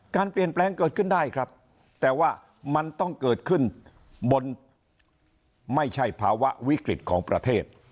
การเปลี่ยนแปลงเกิดขึ้นได้ครับแต่ว่ามันต้องเกิดขึ้นบนไม่ใช่ภาวะวิกฤตของประเทศ